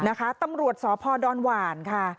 นะคะตำรวจสพดอนหว่านค่ะ